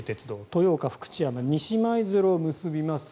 豊岡、福知山、西舞鶴を結びます